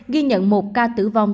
ghi nhận một ca tử vong